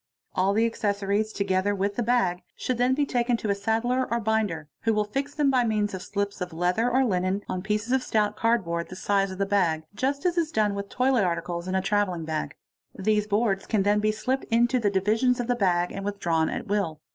All the accessories, together with the bag, should then be taken to— saddler or binder, who will fix them by means of slips of leather or line on pieces of stout cardboard, the size of the bag, just as is done wit toilet articles in a travelling bag. These boards can then be slipped in' the divisions of the bag and withdrawn at will.